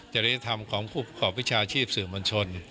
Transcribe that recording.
จริยธรรมของผู้ประกอบวิชาชีพสื่อมวลชน